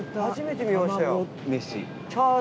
初めて見ましたよ。